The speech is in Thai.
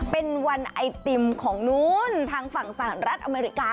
เป็นวันไอติมทางฝั่งสหรัฐอเมริกา